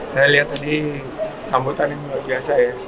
saya lihat tadi sambutan ini luar biasa ya